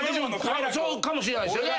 そうかもしれないですよね。